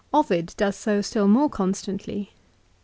Ovid does so still more constantly.